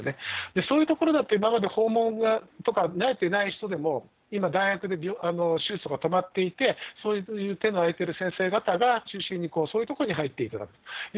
そういう所だと今まで訪問とか慣れていない人でも、今、大学で手術とか止まっていて、そういう手の空いている先生方が中心にそういうところに入っていただく。